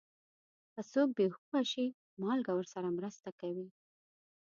که څوک بې هوښه شي، مالګه ورسره مرسته کوي.